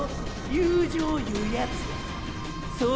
友情いうやつや。